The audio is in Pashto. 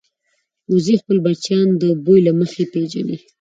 وزې خپل بچیان د بوی له مخې پېژني